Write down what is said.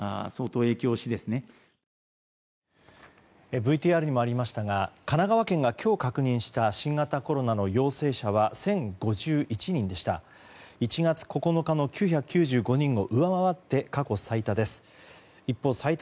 ＶＴＲにもありましたが神奈川県が今日確認した新型コロナの陽性者は１０５１人でした。